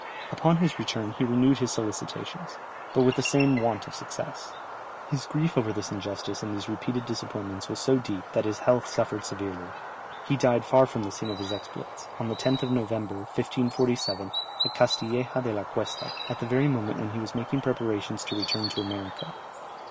Upon his return he renewed his solicitations, but with the same want of success. His grief over this injustice and these repeated disappointments was so deep, that his health suffered severely; he died far from the scene of his exploits, on the 10th of November, 1547, at Castilleja de la Cuesta, at the very moment when he was making preparations to return to America.